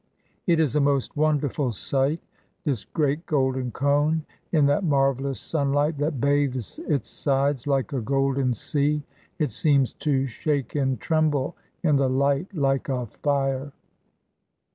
It is a most wonderful sight, this great golden cone, in that marvellous sunlight that bathes its sides like a golden sea. It seems to shake and tremble in the light like a fire.